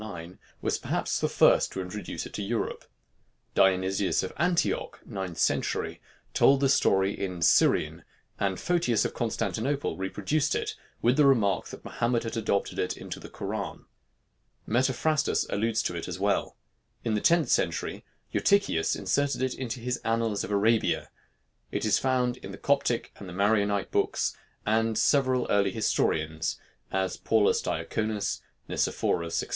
9) was perhaps the first to introduce it to Europe. Dionysius of Antioch (ninth century) told the story in Syrian, and Photius of Constantinople reproduced it, with the remark that Mahomet had adopted it into the Koran. Metaphrastus alludes to it as well; in the tenth century Eutychius inserted it in his annals of Arabia; it is found in the Coptic and the Maronite books, and several early historians, as Paulus Diaconus, Nicephorus, &c.